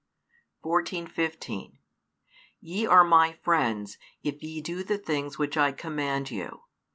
14, 15 Ye are My friends, if ye do the things which I command you.